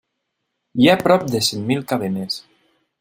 Hi ha prop de cent mil cadenes.